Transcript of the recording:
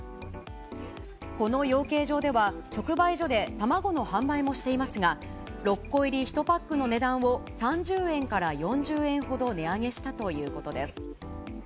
この養鶏場では、直売所で卵の販売もしていますが、６個入り１パックの値段を３０円から４０円ほど値上げしたということです。